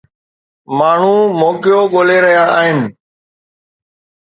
ماڻهو موقعو ڳولي رهيا آهن.